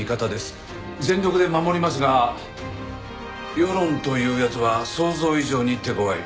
全力で守りますが世論というやつは想像以上に手ごわい。